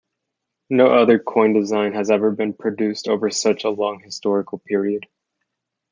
No other coin design has ever been produced over such a long historical period.